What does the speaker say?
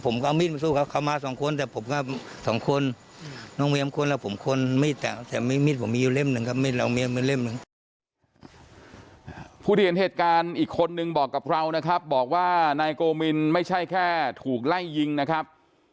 ผู้ที่เห็นเหตุการณ์อีกคนนึงบอกกับเรานะครับบอกว่านายโกมินไม่ใช่แค่ถูกไล่ยิงนะครับ